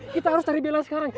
kita harus cari bella sekarang